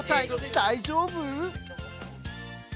大丈夫？